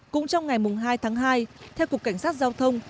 cũng trong ngày hai tháng hai theo cục cảnh sát giao thông